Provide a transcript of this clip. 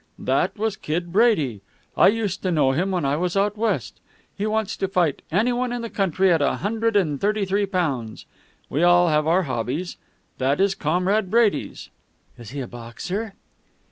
That was Kid Brady. I used to know him when I was out West. He wants to fight anyone in the country at a hundred and thirty three pounds. We all have our hobbies. That is Comrade Brady's." "Is he a boxer?"